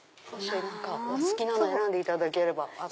お好きなの選んでいただければ。